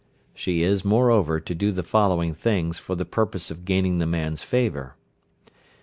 She is, moreover, to do the following things for the purpose of gaining the man's favour, viz.